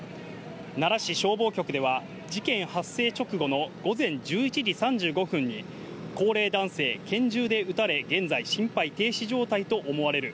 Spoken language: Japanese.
奈良市消防局では事件発生直後の午前１１時３５分に高齢男性、拳銃で撃たれ、現在心肺停止状態と思われる。